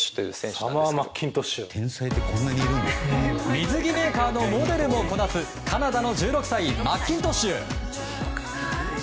水着メーカーのモデルもこなすカナダの１６歳マッキントッシュ。